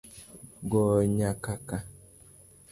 Goyo nyakaka